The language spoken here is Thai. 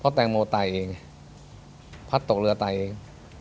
แตงโมตายเองพัดตกเรือตายเอง